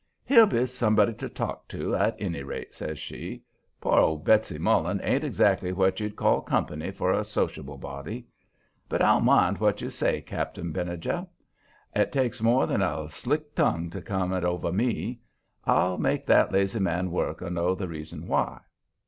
"He'll be somebody to talk to, at any rate," says she. "Poor old Betsy Mullen ain't exactly what you'd call company for a sociable body. But I'll mind what you say, Cap'n Benijah. It takes more than a slick tongue to come it over me. I'll make that lazy man work or know the reason why."